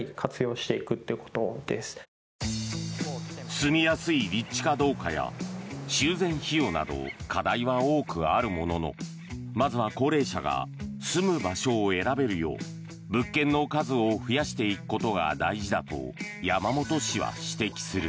住みやすい立地かどうかや修繕費用など課題は多くあるものの、まずは高齢者が住む場所を選べるよう物件の数を増やしていくことが大事だと山本氏は指摘する。